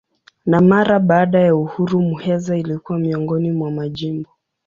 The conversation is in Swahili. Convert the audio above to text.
Na mara baada ya uhuru Muheza ilikuwa miongoni mwa majimbo.